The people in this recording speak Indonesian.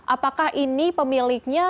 apakah ini pemiliknya